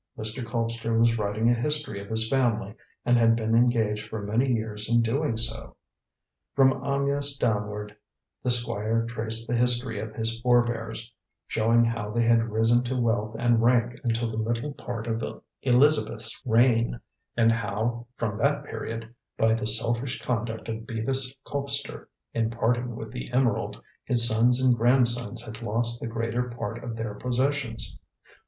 Mr. Colpster was writing a history of his family, and had been engaged for many years in doing so. From Amyas downward the Squire traced the history of his forebears, showing how they had risen to wealth and rank until the middle part of Elizabeth's reign, and how, from that period, by the selfish conduct of Bevis Colpster in parting with the emerald, his sons and grandsons had lost the greater part of their possessions.